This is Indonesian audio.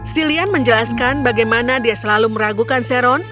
silian menjelaskan bagaimana dia selalu meragukan seron